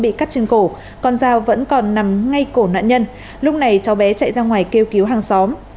bị cắt trên cổ con dao vẫn còn nằm ngay cổ nạn nhân lúc này cháu bé chạy ra ngoài kêu cứu hàng xóm